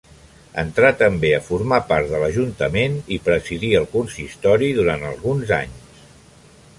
Entrà també a formar part de l'Ajuntament i presidí el Consistori durant alguns anys.